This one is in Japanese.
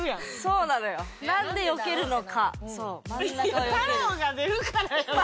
いや太郎が出るからやろ。